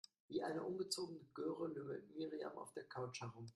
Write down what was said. Wie eine ungezogene Göre lümmelt Miriam auf der Couch herum.